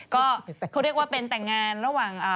ก็เขาเรียกว่าเป็นแต่งงานระหว่าง